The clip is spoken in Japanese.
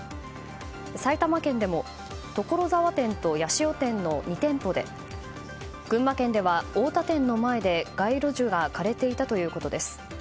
埼玉県でも所沢店と八潮店の２店舗で群馬県では太田店の前で街路樹が枯れていたということです。